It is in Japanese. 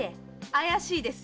怪しいですよ。